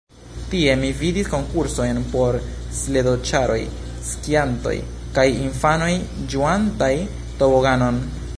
Tie mi vidis konkursojn por sledoĉaroj, skiantoj kaj infanoj, ĝuantaj toboganon.